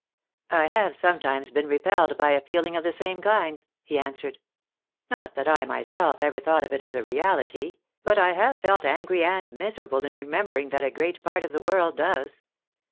"I have sometimes been repelled by a feeling of the same kind," he answered. "Not that I myself ever thought of it as a reality, but I have felt angry and miserable in remembering that a great part of the world does.